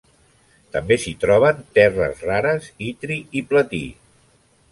També s'hi troben terres rares, itri i platí.